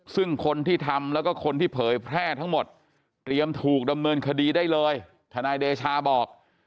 ซึ่งคนที่ทำแล้วก็คนที่เผยแพร่ทั้งหมดเตรียมถูกดำเนินคดีได้เลยทนายเดชาบอก